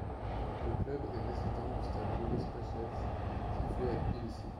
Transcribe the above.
Le club est résident du stade Boris Paichadze, situé à Tbilissi.